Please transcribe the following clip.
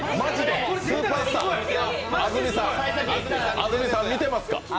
安住さん見てますか。